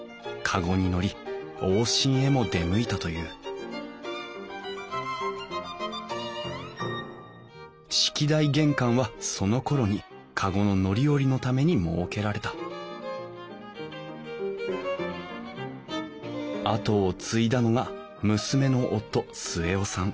籠に乗り往診へも出向いたという式台玄関はそのころに籠の乗り降りのために設けられた後を継いだのが娘の夫末雄さん。